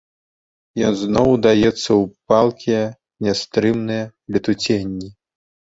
Ён зноў удаецца ў палкія нястрымныя летуценні.